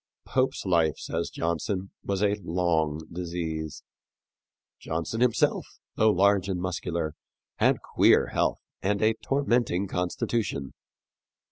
Pope's life, says Johnson, was a long disease. Johnson himself, though large and muscular, had queer health and a tormenting constitution.